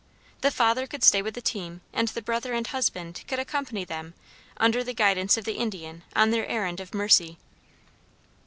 The father could stay with the team and the brother and husband could accompany them under the guidance of the Indian, on their errand of mercy.